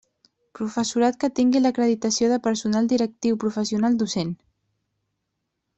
Professorat que tingui l'acreditació de personal directiu professional docent.